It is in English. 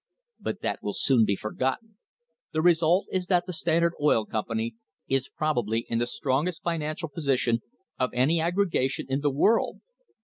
But that will soon be forgotten! The result is that the Standard Oil Company is probably in the strongest financial position of any aggregation in the world.